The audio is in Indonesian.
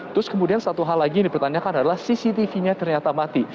terus kemudian satu hal lagi yang dipertanyakan adalah cctv nya ternyata mati